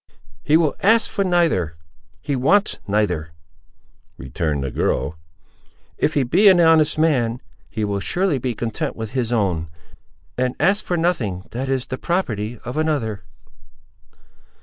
"He will ask for neither:—he wants neither," returned the girl; "if he be an honest man, he will surely be content with his own, and ask for nothing that is the property of another."